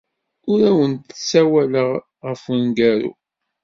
Ur awent-d-ssawaleɣ ɣef wemgaru.